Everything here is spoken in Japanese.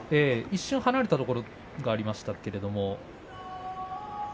一瞬、離れたところがありましたけれども。